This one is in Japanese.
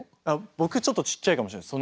僕ちょっとちっちゃいかもしれないです。